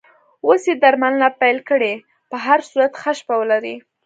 اوس یې درملنه پیل کړې، په هر صورت ښه شپه ولرې.